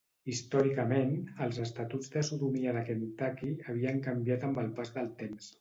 Històricament, els estatuts de sodomia de Kentucky havien canviat amb el pas del temps.